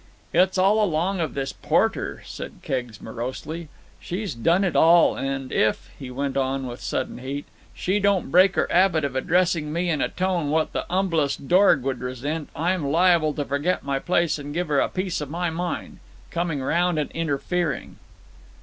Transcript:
"It's all along of this Porter," said Keggs morosely. "She's done it all. And if," he went on with sudden heat, "she don't break her 'abit of addressing me in a tone what the 'umblest dorg would resent, I'm liable to forget my place and give her a piece of my mind. Coming round and interfering!"